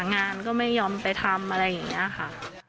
งานก็ไม่ยอมไปทำอะไรอย่างนี้ค่ะ